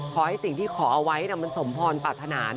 ขอให้สิ่งที่ขอเอาไว้มันสมพรปรารถนา